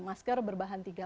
masker berbahan tiga latar